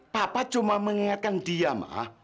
papa cuma mengingatkan dia mah